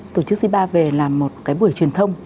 tổ chức zipa về làm một cái buổi truyền thông